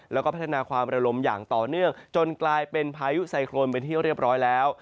แล้วก็พัฒนาความระลมอย่างต่อเนื่องจนกลายเป็นพายุไซโครนเป็นที่เรียบร้อยแล้ว